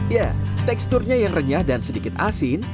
ya teksturnya yang renyah dan sedikit asin